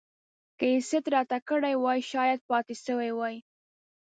که يې ست راته کړی وای شايد پاته سوی وای.